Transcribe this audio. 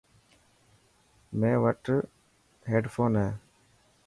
ميڻ وٽ هيڊفون هي.